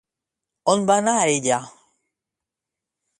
On va anar ella?